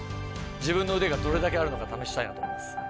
自分の腕がどれだけあるのか試したいなと思います。